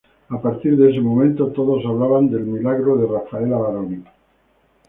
A partir de ese momento todos hablaban del milagro de Rafaela Baroni.